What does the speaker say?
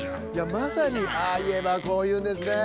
まさに「ああいえばこういう」ですね。